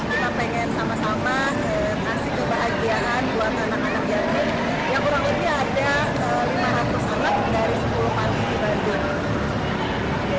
intinya sih sama kalau ramadan kan memang bulannya kita sama sama berbagi